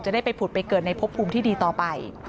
ได้ไปผุดไปเกิดในพบภูมิที่ดีต่อไป